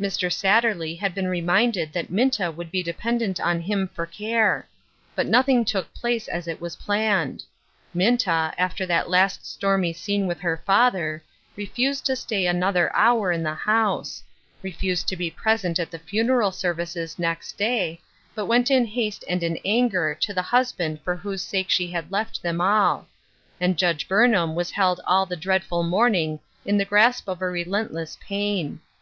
Mr. Satterley had been reminded that Minta would be dependent on him for care ; but nothing " NEXT MOST." 289 took place as it was planned. Minta, after that last stormy scene with her father, refused to stay another hour in the house ; refused to be present at the funeral services next day, but went in haste and in anger to the husband for whose sake she had left them all ; and Judge Burnham was held all the dreadful morning in the grasp of relent less pain.